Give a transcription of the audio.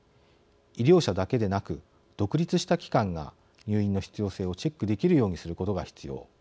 医療者だけでなく独立した機関が入院の必要性をチェックできるようにすることが必要。